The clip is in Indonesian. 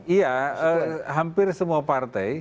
iya hampir semua partai